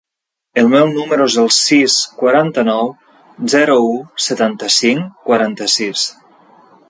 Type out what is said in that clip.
El meu número es el sis, quaranta-nou, zero, u, setanta-cinc, quaranta-sis.